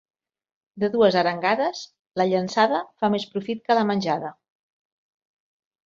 De dues arengades, la llençada fa més profit que la menjada.